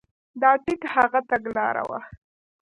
دا ټیک هغه تګلاره وه.